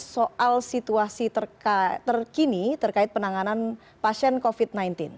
soal situasi terkini terkait penanganan pasien covid sembilan belas